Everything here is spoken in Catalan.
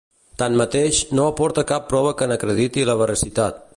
Tanmateix, no aporta cap prova que n’acrediti la veracitat.